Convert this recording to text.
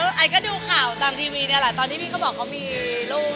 ไอก็ดูข่าวตามทีวีนี่แหละตอนที่พี่เขาบอกเขามีลูก